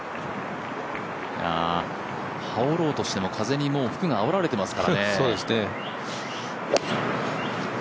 羽織ろうとしても風に服があおられてますからね。